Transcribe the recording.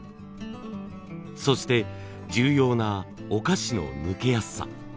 そして重要なお菓子の抜けやすさ。